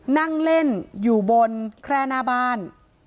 นั่งเล่นอยู่บนแคร่หน้าบ้าน